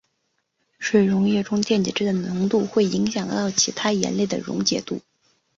水溶液中电解质的浓度会影响到其他盐类的溶解度。